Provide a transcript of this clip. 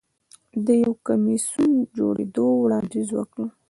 ده د یو کمېسیون د جوړېدو وړاندیز وکړ